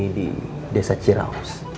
di desa ciraus